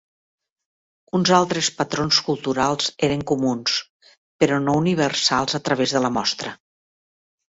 Uns altres patrons culturals eren comuns, però no universals a través de la mostra.